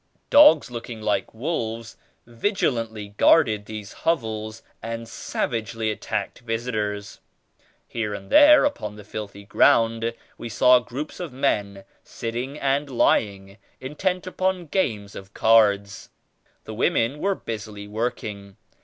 Dogs looking like wolves vigilantly guarded these hovels and sav agely attacked visitors. Here and there upon the filthy ground we saw groups of men sitting and lying, intent upon games of cards. The women were busily working.